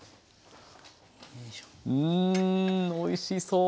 うんおいしそう！